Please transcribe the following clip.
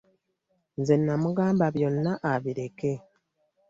Nze namugamba byonna abireke.